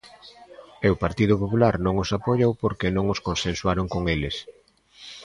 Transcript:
E o Partido Popular non os apoiou porque non os consensuaron con eles.